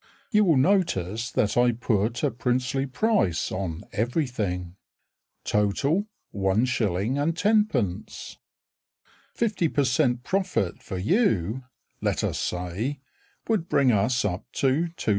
(You will notice that I put a princely price on everything), Total, 1s. 10d. Fifty per cent. profit for you, let us say, Would bring us up to 2s.